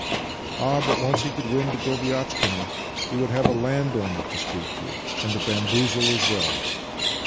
Ah, but, once he could win to Goviatch kina, he would have a landowner to speak to — and to bamboozle as well!